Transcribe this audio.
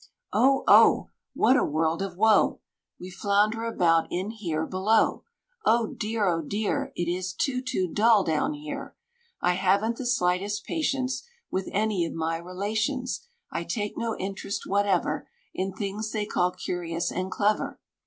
"Oh! oh! What a world of woe We flounder about in, here below! Oh dear! oh dear! It is too, too dull, down here! I haven't the slightest patience With any of my relations; I take no interest whatever In things they call curious and clever.